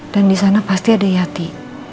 dan di sana pasti ada yati